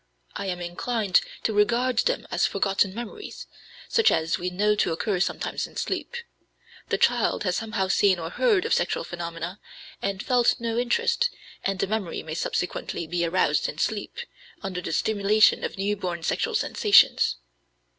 I am inclined to regard them as forgotten memories, such as we know to occur sometimes in sleep. The child has somehow seen or heard of sexual phenomena and felt no interest, and the memory may subsequently be aroused in sleep, under the stimulation of new born sexual sensations.